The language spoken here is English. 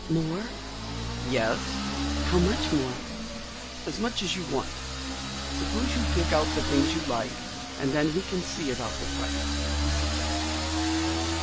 "More?" "Yes." "How much more?" "As much as you want. Suppose you pick out the things you like and then we can see about the price," he suggested.